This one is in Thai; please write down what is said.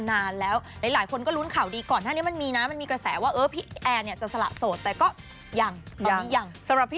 ในหลายคนก็รุ้นข่าวดีก่อนถ้างั้นเนี่ยมันมีนะมันมีกระแสว่าเออพี่แอนเนี่ยจะสละโสดแต่ก็ยังตอนนี้ยัง